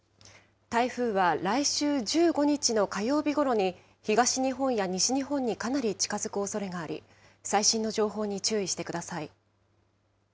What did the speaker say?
台風は来週１５日の火曜日ごろに、東日本や西日本にかなり近づくおそれがあり、最新の情報に注意してください。